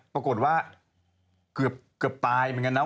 ปรากฏว่าเกือบตายเหมือนกันนะ